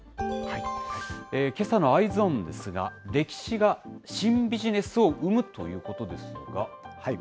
けさのＥｙｅｓｏｎですが、歴史が新ビジネスを生む？ということですが。